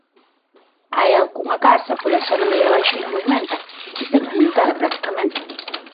Hai algunha casa, pola zona de abaixo de Muimenta, que está incomunicada, practicamente.